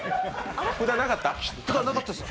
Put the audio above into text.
札、なかった？